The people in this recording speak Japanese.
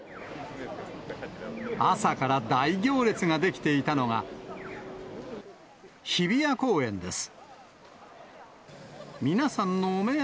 朝から大行列が出来ていたのが、日比谷公園です。